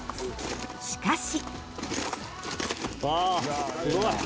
しかし。